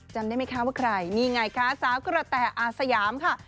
จำได้ไหมคะว่าใครนี่ไงคะสาวกระแต่อาสยามค่ะ